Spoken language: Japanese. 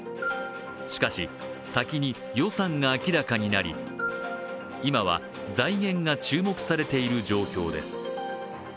しかし、先に予算が明らかになり今は、財源が注目されている状況です。